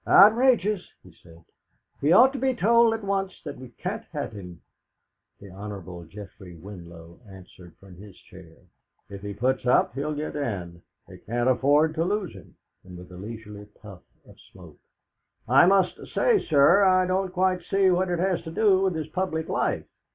"Outrageous!" he said. "He ought to be told at once that we can't have him." The Hon. Geoffrey Winlow answered from his chair: "If he puts up, he'll get in; they can't afford to lose him." And with a leisurely puff of smoke: "I must say, sir, I don't quite see what it has to do with his public life."